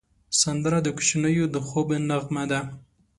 سندره د کوچنیو د خوب نغمه ده